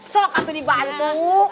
sok aku dibantu aduh